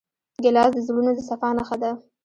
ګیلاس د زړونو د صفا نښه ده.